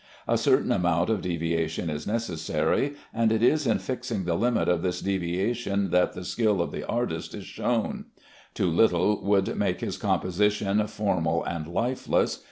A certain amount of deviation is necessary, and it is in fixing the limit of this deviation that the skill of the artist is shown. Too little would make his composition formal and lifeless.